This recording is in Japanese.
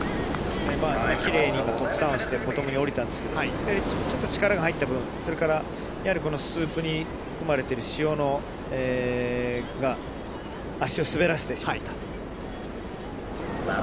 きれいに今、トップターンしてボトムに下りたんですけど、ちょっと力が入った分、いわゆるこのスープに含まれている潮が足を滑らせてしまった。